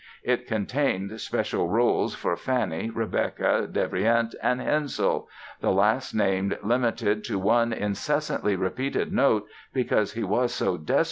It contained special roles for Fanny, Rebecka, Devrient and Hensel—the last named limited to one incessantly repeated note, because he was so desperately unmusical.